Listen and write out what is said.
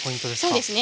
そうですね。